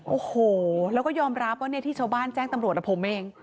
โอ้โหแล้วก็ยอมรับว่าเนี่ยที่ชาวบ้านแจ้งตำรวจผมเอง